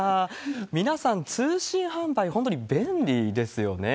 皆さん、通信販売、本当に便利ですよね。